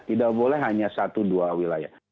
tidak boleh hanya satu dua wilayah